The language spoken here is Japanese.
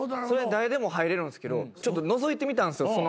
それ誰でも入れるんすけどちょっとのぞいてみたんすよ。